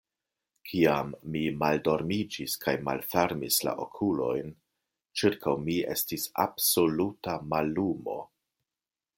Kiam mi maldormiĝis kaj malfermis la okulojn, ĉirkaŭ mi estis absoluta mallumo.